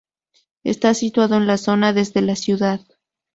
Está situado en la zona este de la ciudad.